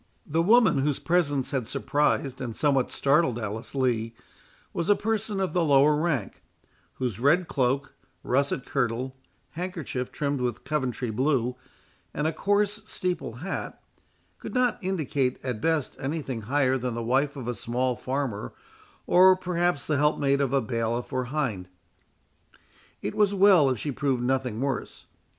The woman, whose presence had surprised and somewhat startled Alice Lee, was a person of the lower rank, whose red cloak, russet kirtle, handkerchief trimmed with Coventry blue, and a coarse steeple hat, could not indicate at best any thing higher than the wife of a small farmer, or, perhaps, the helpmate of a bailiff or hind. It was well if she proved nothing worse.